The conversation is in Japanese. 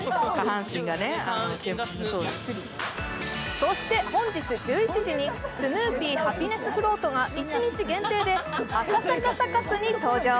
そして本日１１時に、スヌーピーハピネスフロートが１日限定で赤坂サカスに登場。